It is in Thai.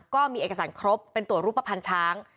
ก็มีเอกสารครบเป็นตัวรูปภัณฑ์ช้าง